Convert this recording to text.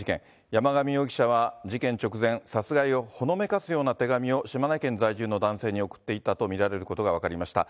山上容疑者は事件直前、殺害をほのめかすような手紙を島根県在住の男性に送っていたと見られることが分かりました。